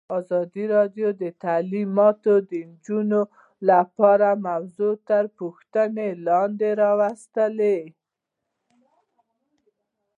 ازادي راډیو د تعلیمات د نجونو لپاره موضوع تر پوښښ لاندې راوستې.